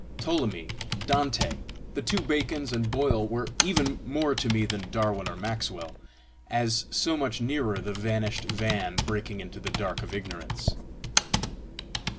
Ptolemy, Dante, the two Bacons, and Boyle were even more to me than Darwin or Maxwell, as so much nearer the vanished van breaking into the dark of ignorance.